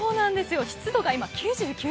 湿度が今、９９％。